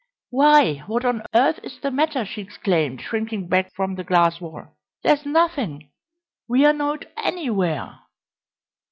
"Why, what on earth is the matter?" she exclaimed, shrinking back from the glass wall. "There's nothing we're not anywhere!"